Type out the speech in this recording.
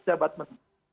jabat menurut saya